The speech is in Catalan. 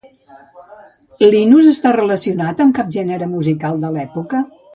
Linus està relacionat amb cap gènere musical de l'època?